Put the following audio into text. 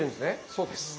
そうです。